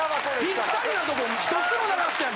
ピッタリなとこ１つもなかったやん